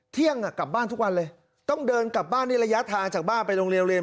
เที่ยงกลับบ้านทุกวันเลยต้องเดินกลับบ้านในระยะทางจากบ้านไปโรงเรียนเรียน